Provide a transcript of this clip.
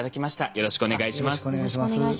よろしくお願いします。